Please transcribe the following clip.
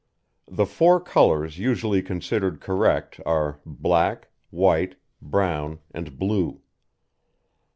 The four colours usually considered correct are black, white, brown, and blue.